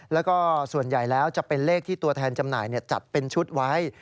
แล้วก็ส่วนใหญ่แล้วจะเป็นเลขที่ตัวแทนจำหน่ายจัดเป็นชุดไว้